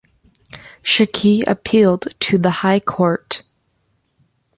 Shaikh appealed to the High Court.